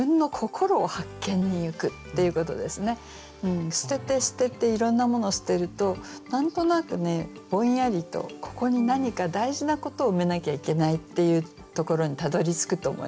あとはね捨てて捨てていろんなものを捨てると何となくねぼんやりとここに何か大事なことを埋めなきゃいけないっていうところにたどりつくと思います。